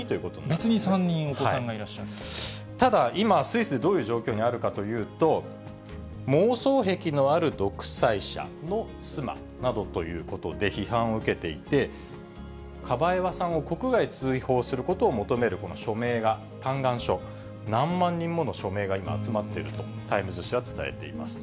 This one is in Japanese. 別に３人お子さんがいらっしただ、今、スイス、どういう状況にあるかというと、妄想癖のある独裁者の妻などということで批判を受けていて、カバエワさんを国外追放することを求める署名が、嘆願書、何万人もの署名が今、集まっていると、タイムズ紙は伝えています。